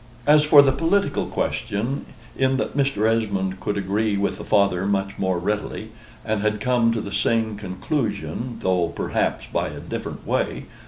As for the political question, in that Mr. Esmond could agree with the Father much more readily, and had come to the same conclusion, though, perhaps, by a different way.